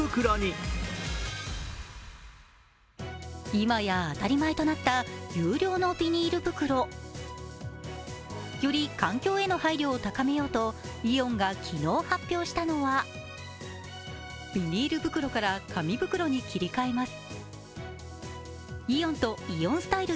いまや当たり前となった、有料のビニール袋。より環境への配慮を高めようと、イオンが昨日発表したのはイオンとイオンスタイル